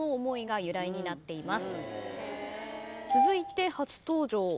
続いて初登場。